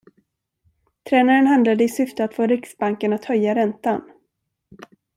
Tränaren handlade i syfte att få riksbanken att höja räntan.